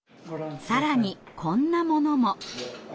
更にこんなものも。